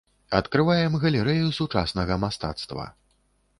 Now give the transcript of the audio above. Адкрываем галерэю сучаснага мастацтва.